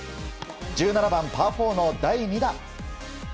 １７番、パー４の第２打。